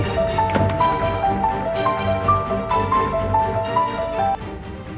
elsa udah mau pergi